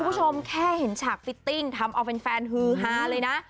คุณผู้ชมแค่เห็นฉากฟิตติ้งทำเอาแฟนฮือฮาเลยนะ